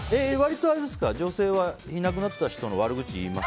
女性は割といなくなった人の悪口、言います？